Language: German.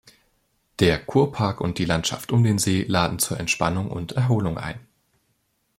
Der Kurpark und die Landschaft um den See laden zur Entspannung und Erholung ein.